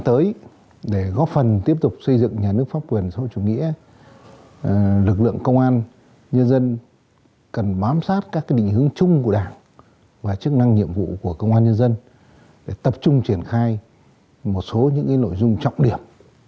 tiếp tục xây dựng nhà nước pháp quyền xã hội chủ nghĩa lực lượng công an nhân dân cần bám sát các định hướng chung của đảng và chức năng nhiệm vụ của công an nhân dân để tập trung triển khai một số những nội dung trọng điểm